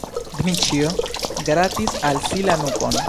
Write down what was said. Dmiĉjo gratis al si la nukon.